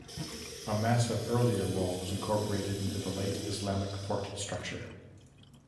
A massive earlier wall was incorporated into the late Islamic Fort structure.